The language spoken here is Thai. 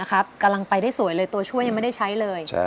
กำลังไปได้สวยเลยตัวช่วยยังไม่ได้ใช้เลย